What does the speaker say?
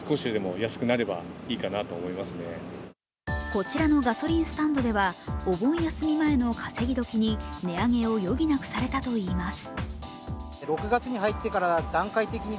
こちらのガソリンスタンドではお盆休み前の稼ぎ時に値上げを余儀なくされたといいます。